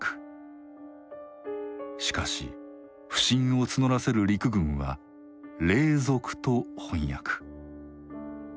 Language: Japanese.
しかし不信を募らせる陸軍は「隷属」と翻訳。